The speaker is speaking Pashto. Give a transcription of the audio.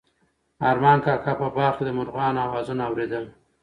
ارمان کاکا په باغ کې د مرغانو اوازونه اورېدل.